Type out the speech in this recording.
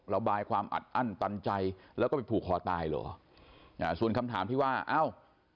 ระบายความอัดอั้นตันใจแล้วก็ไปผูกคอตายเหรออ่าส่วนคำถามที่ว่าเอ้า